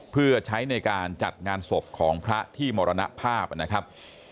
เพื่อใช้ในการจัดงานศพของพระที่มรณภาพนะครับ